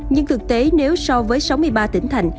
nhưng thực tế nếu so với sáu mươi ba tỉnh thành